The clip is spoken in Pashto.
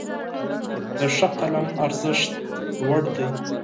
د ښه قلم ارزښت لوړ دی.